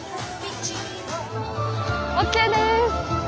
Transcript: ＯＫです！